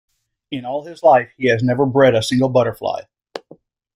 In all his life he has never bred a single butterfly.